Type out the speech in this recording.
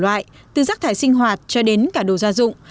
mương có đủ loại từ rác thải sinh hoạt cho đến cả đồ gia dụng